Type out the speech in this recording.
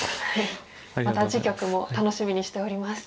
また次局も楽しみにしております。